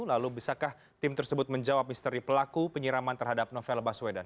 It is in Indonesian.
lalu bisakah tim tersebut menjawab misteri pelaku penyiraman terhadap novel baswedan